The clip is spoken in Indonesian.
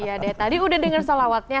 iya deh tadi udah denger solawatnya